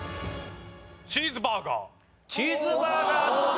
チーズバーガーどうだ？